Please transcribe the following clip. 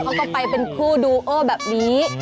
เขาก็ไปเป็นคู่ดูโอแบบนี้